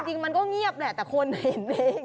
จริงมันก็เงียบแหละแต่คนเห็นเอง